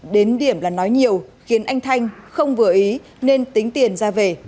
đến điểm là nói nhiều khiến anh thanh không vừa ý nên tính tiền ra về